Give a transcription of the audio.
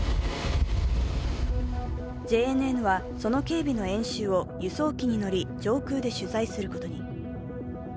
ＪＮＮは、その警備の演習を輸送機に乗り、上空で取材することに。